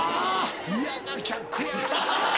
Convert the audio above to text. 嫌な客やな。